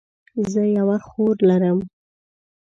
زه یوه خور لرم